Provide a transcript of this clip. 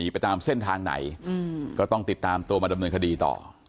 ไปตามเส้นทางไหนก็ต้องติดตามตัวมาดำเนินคดีต่อ